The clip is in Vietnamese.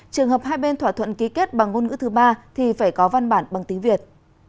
trường hợp hai bên thỏa thuận ký kết bằng ngôn ngữ thứ ba thì phải có văn bản bằng tiếng việt